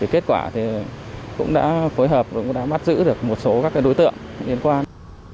kết quả cũng đã phối hợp và mắt giữ được một số đối tượng liên quan